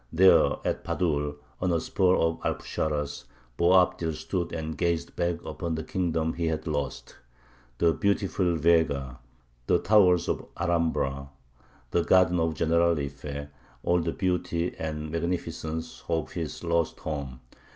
There, at Padul, on a spur of the Alpuxarras, Boabdil stood and gazed back upon the kingdom he had lost: the beautiful Vega, the towers of Alhambra, and the gardens of the Generalife; all the beauty and magnificence of his lost home.